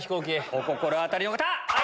お心当たりの方！